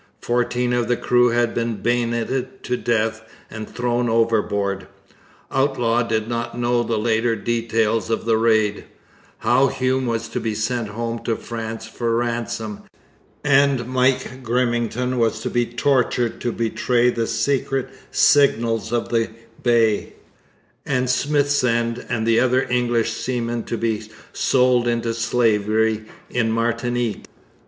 Fourteen of the crew had been bayoneted to death and thrown overboard. Outlaw did not know the later details of the raid how Hume was to be sent home to France for ransom, and Mike Grimmington was to be tortured to betray the secret signals of the Bay, and Smithsend and the other English seamen to be sold into slavery in Martinique.